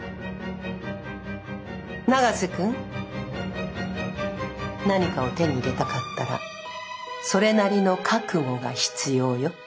永瀬君何かを手に入れたかったらそれなりの覚悟が必要よ。